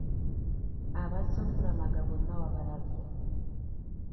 Abazze okulamaga bonna wabalabye?